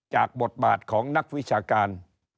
บทบาทของนักวิชาการ